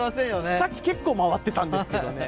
さっき、結構回ってたんですけどね。